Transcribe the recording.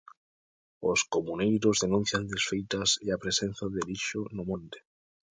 Os comuneiros denuncian desfeitas e a presenza de lixo no monte.